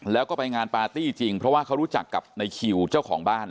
แล้วก็ไปงานปาร์ตี้จริงเพราะว่าเขารู้จักกับในคิวเจ้าของบ้าน